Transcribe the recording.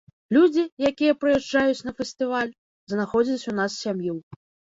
Людзі, якія прыязджаюць на фестываль, знаходзяць у нас сям'ю.